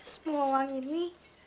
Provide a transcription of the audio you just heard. semua uang ini